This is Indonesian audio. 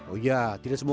oh ya tidak semoga